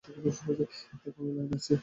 এখনও লাইনে আছি।